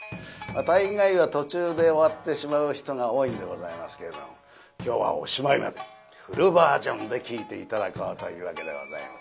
大概は途中で終わってしまう人が多いんでございますけれども今日はおしまいまでフルバージョンで聴いて頂こうというわけでございます。